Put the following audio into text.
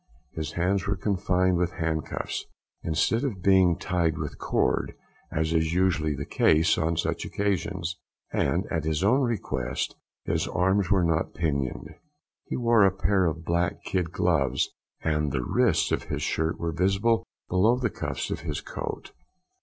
His hands were confined with handcuffs, instead of being tied with cord, as is usually the case on such occasions, and, at his own request, his arms were not pinioned. He wore a pair of black kid gloves, and the wrists of his shirt were visible below the cuffs of his coat.